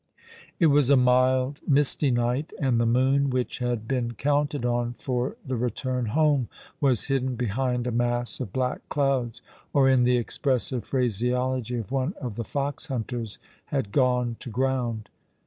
It was a mild, misty night, and the moon, which had been counted on for 'Cn.Q return home, w\as hidden behind a mass of black clouds — or in the expressive phraseology of one of the foxhuuters, had gone to ground.